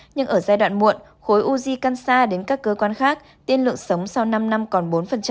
nhưng ở giai đoạn muộn khối u di can xa đến các cơ quan khác tiên lượng sống sau năm năm còn bốn